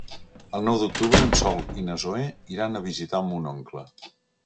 El nou d'octubre en Sol i na Zoè iran a visitar mon oncle.